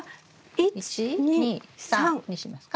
１２３にしますか？